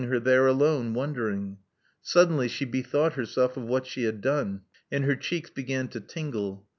her there alone, wondering. Suddenly she bethought her self of what she had done; and her cheeks began to tingle.